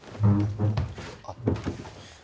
あっ。